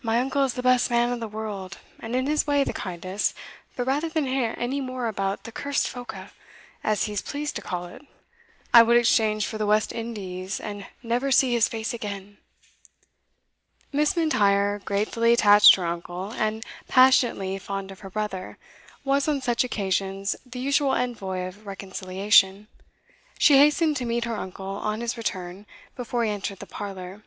"My uncle is the best man in the world, and in his way the kindest; but rather than hear any more about that cursed phoca, as he is pleased to call it, I would exchange for the West Indies, and never see his face again." Miss M'Intyre, gratefully attached to her uncle, and passionately fond of her brother, was, on such occasions, the usual envoy of reconciliation. She hastened to meet her uncle on his return, before he entered the parlour.